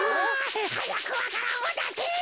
はやくわか蘭をだせ！